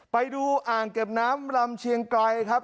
ไปดูอ่างเก็บน้ำลำเชียงไกรครับ